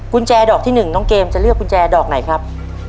กุญแจดอกที่๑น้องเกมจะเลือกกุญแจดอกไหนครับ